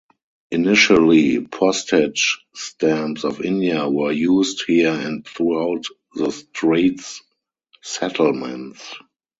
Initially, postage stamps of India were used here and throughout the Straits Settlements.